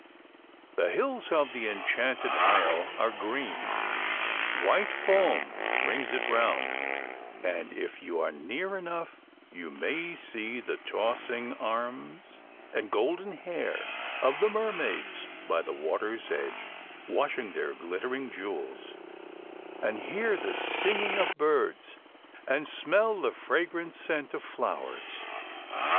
The hills of the enchanted isle are green, white foam rings it round, and if you are near enough you may see the tossing arms and golden hair of the Mermaids by the water's edge washing their glittering jewels, and hear the singing of birds, and smell the fragrant scent of flowers.